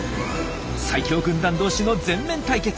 最強軍団同士の全面対決。